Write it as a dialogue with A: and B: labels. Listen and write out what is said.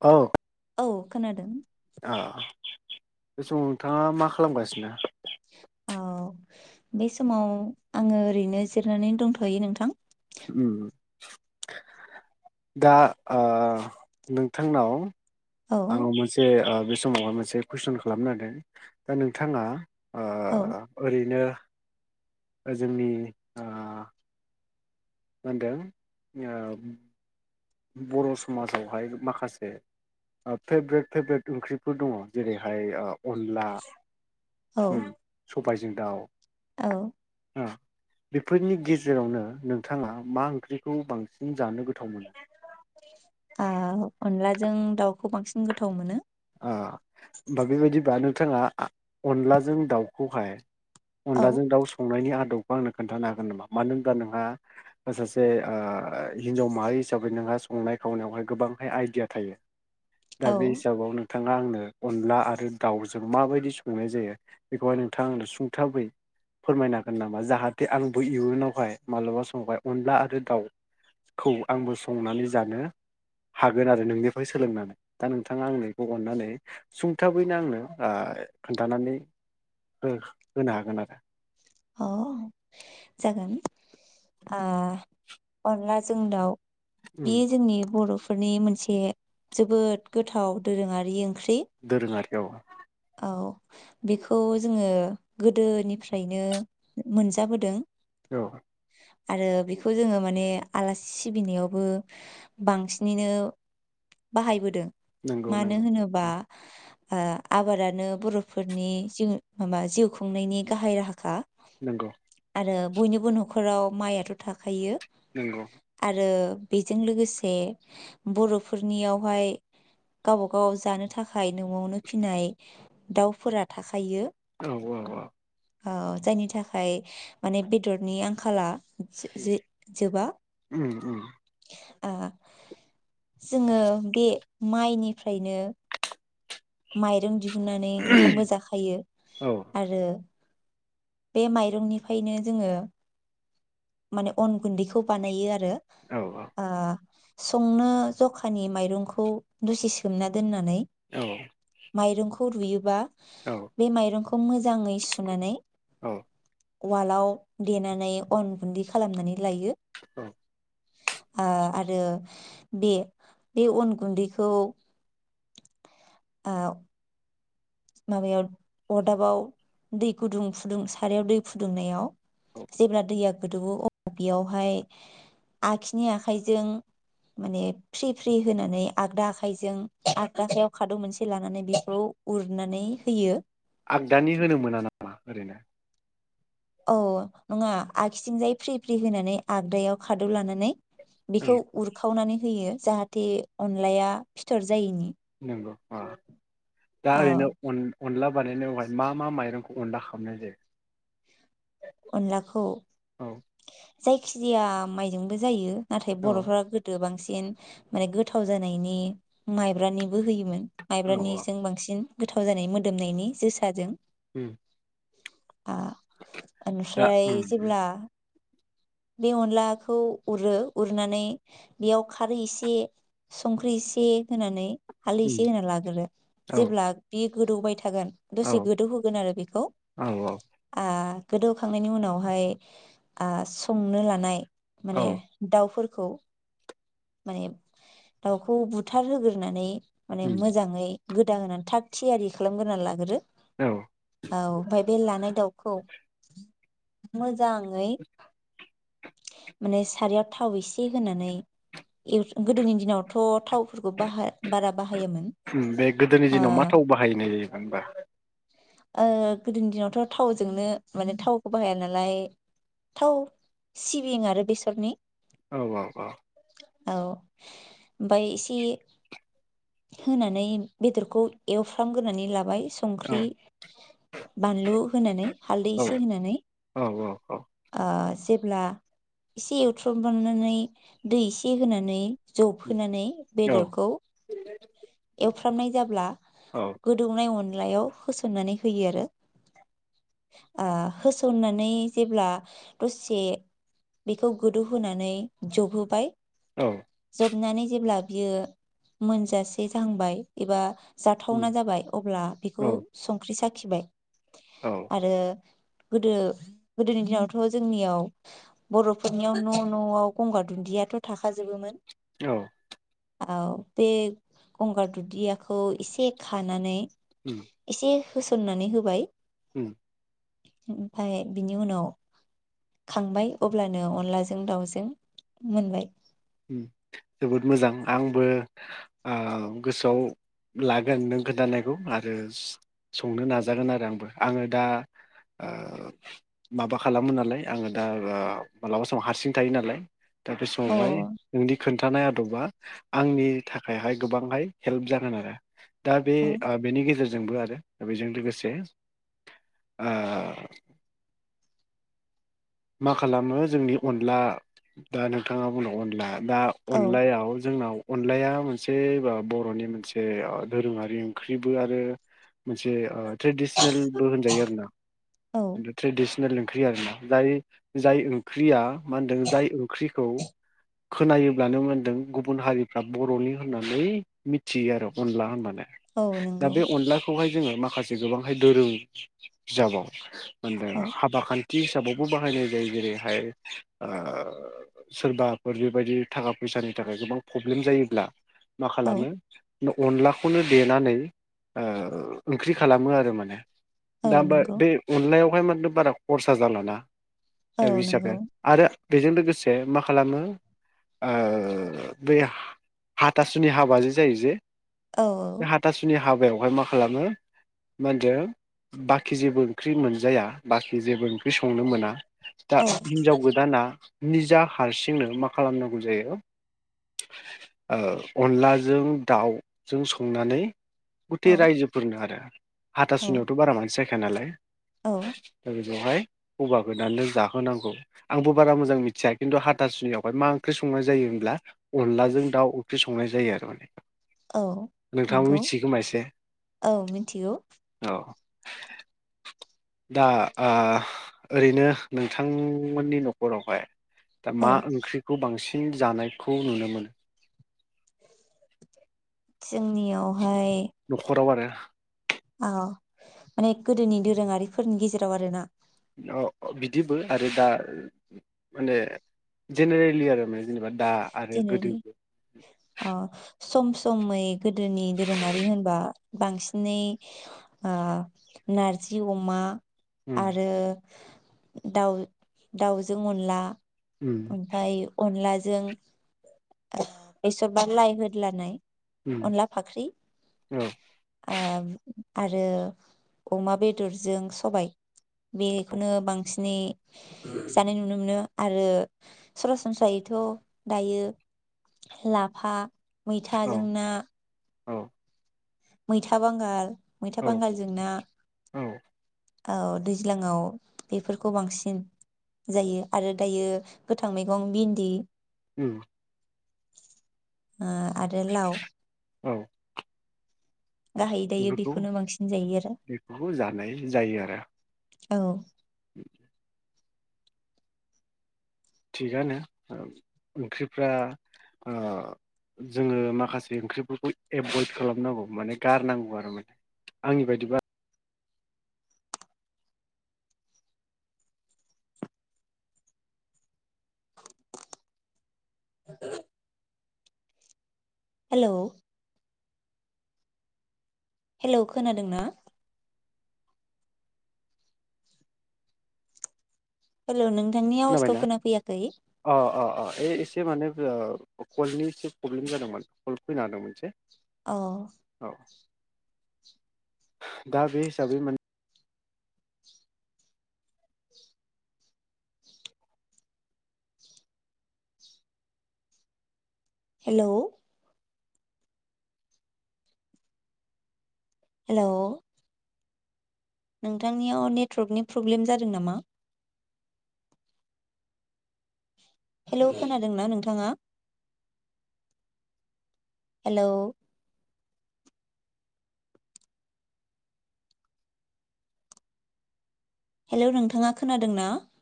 A: औ
B: औ खोनादों।
A: बे समाव नोंथाङा मा खालामगासिनो?
B: औ बे समाव आंङो ओरैनो जिरनानै दंथ'यो नोंथां।
A: ओम दा ओ नोंथांनाव
B: औ
A: ओ मोनसे ओ बे समावहाय मोनसे कुइसन खालामनो नागिरदों दा नोंथाङा ओ
B: औ
A: ओरैनो जोंनि ओ मा होन्दों ओ बर' समाजावहाय माखासे फेब्रेट फेब्रेट ओंख्रिफोर दङ जेरैहाय ओ अनला
B: औ
A: उम्म बाइजिंटाव
B: औ
A: बेफोरनि गेजेरावनो नोंथाङा मा ओंख्रिखौ बांसिन जानो गोथाव मोनो?
B: अनलाजों दाउखौ बांसिन गोथाव मोनो।
A: होमबा बेबायदिबा नोंथाङा अनलाजों दाउखौहाय
B: औ
A: अनलाजों दाउ संनायनि आदब आंनो खोन्थानो हागोन नामा मानो होनबा नोंहा सासे हिन्जाव माहारि हिसाबै नोंहा संनाय खावनायावहाय गोबांहाय आइडिया थायो। दा
B: औ
A: बे हिसाबावनो नोंथाङा आंनो अनला आरो दाउजों माबायदि संनाय जायो बेखौहाय नोंथाङा आंनो सुंथाबै फोरमायनो हागोन नामा जाहाथे आंबो इयुनावहाय माबलाबा समावहाय अनला आरो दाउखौ आंबो संनानै जानो हागोन आरो नोंनिफ्राय सोलोंनानै दा नोंथाङा आंनो अननानै सुंथाबैनो आंनो खोनथानानै हो होनो हागोन आरो।
B: अ जागोन। ओ अनला जों दाउ
A: उम
B: बेयो जोंनि बर' फोरनि मोनसे जोबोद गोथाव दोरोंङारि ओं
A: दोरोंङारि ए [inaudible] [unintelligible]
B: औ बेखौ जोङो गोदोनिफ्रायनो मोनजाबोदों।
A: औ
B: आरो बेखौ जोङो माने आलासि सिबिनायावबो बांसिनैनो बाहायबोदों।
A: नंगौ
B: मानो
A: नंगौ
B: होनोबा ओ आबादानो बरफोरनि जिउ माबा जिउ खुंनायनि गाहाय राहाखा।
A: नंगौ।
B: आरो बयनिबो न'खराव माइआथ‌ थाखायो।
A: नंगौ
B: आरो। बेजों लोगोसे बरफोरनियावहाय गावबा गाव जानो थाखाय नआवनो। फिनाय दाउफोरा थाखायो।
A: औ ओ ओ।
B: औ जायनि थाखाय माने बेदरनि आंखाला। जो-जे-जोबा।
A: उम उम
B: जोङो बे माइनिफ्रायनो। माइरं दिहुन हुननानै ओंखामबो जाखायो
A: औ
B: आरो। बे माइरंनिफ्रायनो जोङो माने अन गुन्दैखौ बानायो आरो।
A: औ
B: ओ। संनो जखानि माइरंखौ दसे सोमना दोननानै।
A: एह।
B: माइरंखौ रुयोबा। बे माइरंखौ मोजाङै सुनानै।
A: औ
B: उवालाव देनानै अन गुन्दै खालामनानै। लायो।
A: औ
B: आ-आरो बे बे अन गुन्दैखौ। आ। माबायाव अरदाबाव दै गुदुं फुदुं सारायाव दै फुदुंनायाव।
A: औ
B: जेब्ला दैया। गोदोवो अबेयावहाय आखिनि आखाइजों माने फ्रि फ्रि होनानै आगदा आखाइजों आगदा आखायाव खादौ मोनसे लानानै बेखौ। उरनानै होयो।।
A: आगदानि होनो मोना नामा? ओरैनो?
B: औ नङा आगसिथिंजाय फ्रि फ्रि होनानै आगदायाव खादौ लानानै।
A: ओं
B: बेखौ उरखावनानै। होयो जाहाथे अनलाया फिथर। जायैनि
A: नंगौ दा
B: औ
A: ओरैनो अन-अनला। बानायनायावहाय मा मा माइरंखौ अनला खामनाय जायो?
B: अनलाखौ।
A: औ
B: जायखिजाया माइजोंबो जायो। नाथाय
A: औ
B: बर'फ्रा गोदो बांसि सिन माने गोथाव जानायनि माइब्रानि। बो होयोमोन
A: औ औ
B: माइब्रानिजों बांसिन। गोथाव जानाय मोदोमनायनि जोसाजों
A: उम।
B: ओ।
A: दा उम
B: ओमफ्राय जेब्ला बे अनलाखौ उरो उरनानै बेयाव खारै इसे संख्रि इसे होनानै हालदै
A: उम
B: एसे होना लागोरो
A: औ
B: जेब्ला बि गोदौबाय थागोन दसे
A: औ
B: गोदौहोगोन आरो बेखौ
A: औ
B: गोदौखांनायनि उनावहाय ओ संनो लानाय
A: औ
B: माने दाउफोर खौ। माने दाउखौ बुथार होगोरनानै माने
A: उम
B: मोजाङै गोदा होनानै थाग थियारि खालामग्रोनानै लाग्रो।
A: औ
B: औ ओमफ्राय बे लानाय दाउखौ खौ मोजाङै माने सारियाव थाव एसे होनानै गोदोनि दिनावथ' थाव
A: बे गोदोनि
B: ओ
A: दिनाव मा थाव बाहायनाय जायोमोन होमबा।
B: गोदोनि दिनावथ' थावजोंनो माने थावखौ बाहाया नालाय थाव। सिबिं आरो बेसरनि
A: औ औ औ।
B: औ ओमफाय एसे होनानै बेदरखौ एवफ्रामग्रोनानै लाबाय संख्रि बानलु होनानै हालदै
A: औ
B: एसे होनानै
A: औ औ
B: अब्ला एसे एवथ्रबनानै दै एसे होनानै जबहोनानै बेदरखौ एवफ्रामनाय जाब्ला
A: औ
B: गोदौनाय अन अनलायाव होसनानै होयो आरो होसननानै जेब्ला दसे बेखौ गोदौ होनोनानै जबहोबाय
A: औ।
B: होबनानै जेब्ला बियो मोनजासे जांबाय एबा
A: उम
B: जाथावना जाबाय अब्ला
A: औ
B: बेखौ संख्रि साख्रि खिबाय।
A: औ
B: आरो। गोदो गोदोनि दिनावथ' जोंनियाव। बर'फोरनियाव न' न'आव गंगार दुन्दियाथ' थाखाजोबोमोन
A: औ।
B: औ बे गंगार दुदियाखौ एसे खानानै
A: उम
B: एसे। होसननानै होबाय
A: उम
B: ओमफ्राय बिनि उनाव खांबाय अब्लानो अनलाजों दाउजों मोनबाय।
A: जोबोद मोजां आंबो आ गोसोआव लागोन नों खोनथानायखौ आरो संनो नाजागोन आरो आंबो आङो दा ओ माबा खालामो नालाय आङो दा मालाबा समाव हारसिं थायो नालाय दा बेसावआवहाय
B: अ
A: नोंनि खोन्थानाय आदबा आंनि थाखायहाय गोबांहाय हेल्प जागोन आरो। दा बे
B: औ
A: बेनि गेजेरजों जोंबो आरो बेजों लोगोसे ओ मा खालामो जोंनि अनला दा नोंथाङा बुंदों अनला दा
B: औ
A: अनलायाव जोंनाव अनलाया मोनसे बर'नि मोनसे दोरोङारि ओंख्रिबो आरो मोनसे ट्रेडिसनेलबो होनजायो आरोना
B: औ
A: ट्रेदि [unintelligible] जाय ओंख्रिया मा होनदों जाय ओंख्रिखौ खोनायोब्लानो मोनदों गुबुन हारिफ्रा बर'नि होननानै मिथियो आरो अनला होनबानो।
B: औ
A: दा
B: नंगौ
A: बे अनलाखौहाय जोङो माखासे गोबांहाय दोरों बिजाबाव मोनदों
B: औ
A: हाबा खालि [unintelligible] बाहायनाय जायो जेरैहाय ओ सोरबाफोर बेबायदि थाखा फैसानि थाखाय गोबां प्रब्लेम जायोब्ला मा
B: औ
A: खालामो अनलाखौनो देनानै ओ ओंख्रि खालामो आरो माने।
B: औ
A: दा [unintelligible]
B: नंगौ
A: बे अनलायाव बेयाव माथो बारा खरसा जालाना।
B: औ नंगौ
A: [unintelligible] आरो बेजों लोगोसे मा खालामो ओ बै हाथासुनि हाबाजों जायो जे
B: औ
A: बे हाथासुनि हाबायाव बेवहाय मा खालामो मा होनदो बाखि जेबो ओंख्रि मोनजाया बाखि जेबो ओंख्रि संनो मोना। दा
B: औ
A: हिनजाव गोदाना निजा हारसिंनो मा खालामनांगौ जायो ओ अनलाजों ओ दाउजों संनानै गुथे
B: औ
A: रायजोफोरनो आरो
B: औ
A: हाथासुनाययावथ' बारा मानसि जाखा यानालाय
B: औ
A: दा बेवहाय [unintelligible] गोदाननो जाहोनांगौ आंबो बारा मोजां मिथिया खिन्थु हाथासुनियावहाय मा ओंख्रि संनाय जायो होनब्ला अनलाजों दाउ ओंख्रि स संनाय जायो आरो माने
B: औ
A: नोंथाङाबो
B: नोंगौ
A: मिथियो खोमा एसे
B: औ मिन्थिगौ।
A: औ दा आ ओरैनो नोंथांमोननि न'खरावहाय दा
B: औ
A: मा ओंख्रिखौ बांसि फिन जानायखौ नुनो मोनो।
B: जोंनियाव
A: न'खराव आरो
B: औ माने गोदोनि दोरोङारिफोरनि गेजेराव आरोना?
A: आरो अ बिदिबो आरो दा माने जेनेरेलि आरो माने जेनेबा दा आरो
B: जेनेरेलि
A: गोदोब
B: अ सम समै गोदोनि दोरोङारि होनबा बांसिनै ओ नारजि अमा
A: उम
B: आरो दाउ दाउजों अनला
A: उम
B: - ओमफाय अनलाज जों बेसर बा लाइ होदलानाय।
A: उम
B: अनला फाख्रि ओब आरो अमा बेदरजों सबाय बेखौनो बांसिनै जानाय नुनो मोनो आरो सरासनस्रायैथ' दायो। लाफा
A: औ
B: मैथाजों ना
A: औ
B: मैथा बांगाल मैथा
A: औ
B: बांगालजों ना
A: औ
B: औ दैज्लांआव बेफोरखौ बांसिन जायो आरो दायो गोथां मैगं बिन्दि
A: उम
B: ओ आरो लाव
A: औ
B: गाहायै दायो
A: बेफोरखौ
B: बेखौनो बांसिन जायो आरो
A: बेफोपखौ जानाय जायो आरो
B: औ
A: [inaudible] थिगानो ओंख्रिफ्रा ओ जोङो माखासे ओंख्रिफोरखौ एभयद खालामनांगौ माने गारनांगौ आरो माने आंनि बायदिबा।
B: हेलौ हेलौ खोनादों ना। हेल' नों।
A: खोनाबायना अ अ अ ऐ एसे माने ओ कलनि एसे। प्रब्लेम जादोंमोन सल्भ फैनो हादों मोनसे।
B: औ।
A: औ दा बे हिसाबै मोन।
B: हेल'। हेल'। नोंथांनियाव नेटवर्कनि प्रब्लेम जादों नामा। हेल' खोनादोंना नोंथाङा। हेलौ। हेलौ नोंथाङा खोनादों ना।